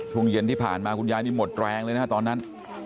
ช่วงเย็นที่ผ่านมาคุณยายนี่หมดแรงเลยนะตอนนั้น